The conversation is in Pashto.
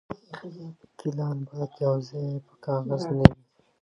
پلان بايد يوازي په کاغذ نه وي.